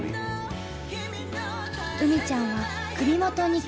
うみちゃんは首元に呼吸器。